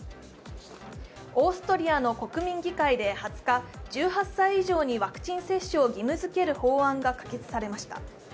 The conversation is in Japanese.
オーストリアの国民議会で２０日、１８歳以上にワクチン接種を義務付ける法案が可決されました。